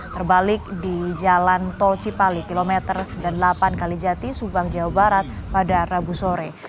terbalik di jalan tol cipali km sembilan puluh delapan kalijati subang jawa barat pada rabu sore